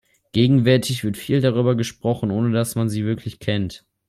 Gegenwärtig wird viel darüber gesprochen, ohne dass man sie wirklich kennt.